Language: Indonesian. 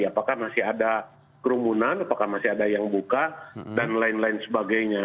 apakah masih ada kerumunan apakah masih ada yang buka dan lain lain sebagainya